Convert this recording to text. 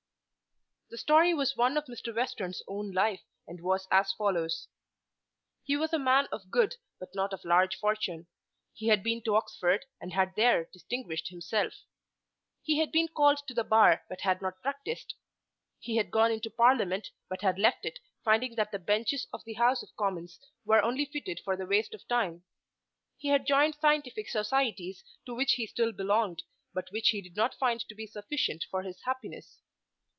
The story was one of Mr. Western's own life and was as follows. He was a man of good but not of large fortune. He had been to Oxford and had there distinguished himself. He had been called to the bar but had not practised. He had gone into Parliament, but had left it, finding that the benches of the House of Commons were only fitted for the waste of time. He had joined scientific societies to which he still belonged, but which he did not find to be sufficient for his happiness.